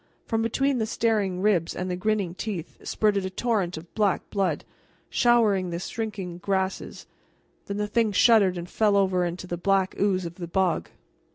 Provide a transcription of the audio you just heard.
From between the staring ribs and the grinning teeth spurted a torrent of black blood, showering the shrinking grasses; then the thing shuddered, and fell over into the black ooze of the bog.